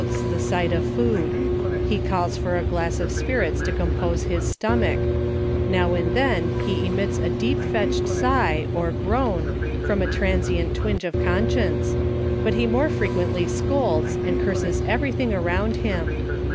s the sight of food ; he calls for a glass of spirit, ; to compose his stomach ; now and then he emits a deep fetched sigh, or groan, from a transient twinge of con science, but he more frequently scolds, and curses every thing around him.